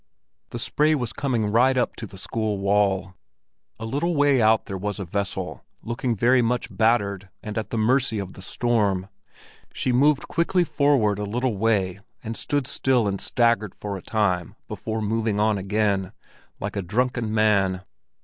The spray was coming right up to the school wall. A little way out there was a vessel, looking very much battered and at the mercy of the storm; she moved quickly forward a little way, and stood still and staggered for a time before moving on again, like a drunken man.